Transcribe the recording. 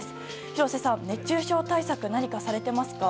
廣瀬さん、熱中症対策は何かされていますか？